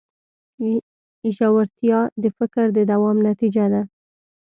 ژورتیا د فکر د دوام نتیجه ده.